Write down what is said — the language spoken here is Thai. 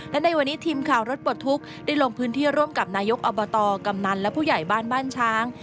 และในวันนี้ทีมข่าวรถปลดทุกข์ได้ลงพื้นที่ร่วมกับนายกอบตกำนันและผู้ใหญ่บ้านบ้านช้าง